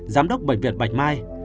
giám đốc bệnh viện bạch mai